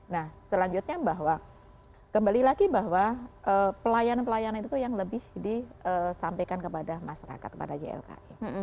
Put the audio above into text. nah selanjutnya bahwa kembali lagi bahwa pelayanan pelayanan itu yang lebih disampaikan kepada masyarakat kepada ylki